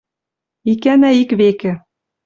Икӓнӓ-ик-векӹ